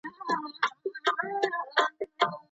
هغه پخپل اختيار سره يو ضرر زغملی دی.